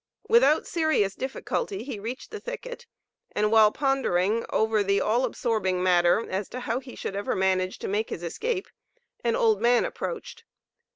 Without serious difficulty he reached the thicket, and while pondering over the all absorbing matter as to how he should ever manage to make his escape, an old man approached.